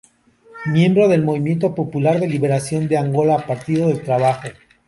Miembro del Movimiento Popular de Liberación de Angola Partido del Trabajo.